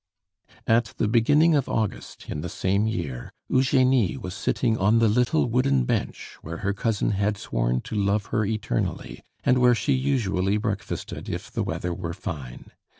At the beginning of August in the same year, Eugenie was sitting on the little wooden bench where her cousin had sworn to love her eternally, and where she usually breakfasted if the weather were fine.